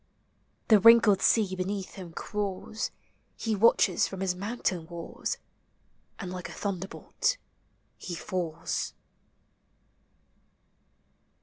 The wrinkled sea beneath him crawls; He watches from his mountain walls. And like a thunderbolt he falls.